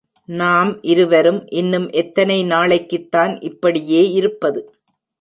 நாம் இருவரும் இன்னும் எத்தனை நாளைக்குத்தான் இப்படியே இருப்பது?